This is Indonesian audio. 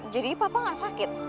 jadi papa gak sakit